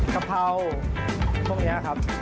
กะเพราพวกนี้ครับ